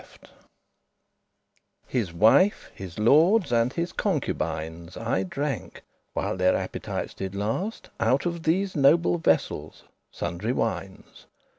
*forefathers His wife, his lordes, and his concubines Aye dranke, while their appetites did last, Out of these noble vessels sundry wines.